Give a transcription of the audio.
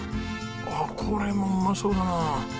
あっこれもうまそうだな。